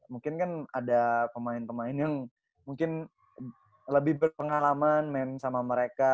mungkin kan ada pemain pemain yang mungkin lebih berpengalaman main sama mereka